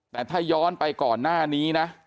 แต่ถ้าย้อนไปก่อนหน้านี้นะ